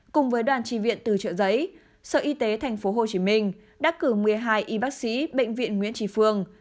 cùng với đoàn trì viện từ trợ giấy sở y tế tp hcm đã cử một mươi hai y bác sĩ bệnh viện nguyễn trì phương